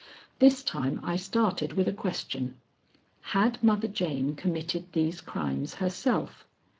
This time I started with a question. Had Mother Jane committed these crimes herself?